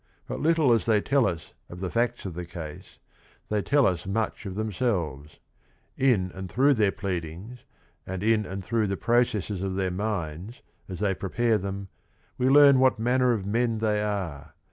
But little as they tell us of the facts of the case, they tell us much of themselves. In and through their pleadings, and in and through the processes of their minds as they prepare them, we learn what manner of men they are.